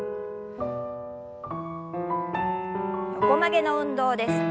横曲げの運動です。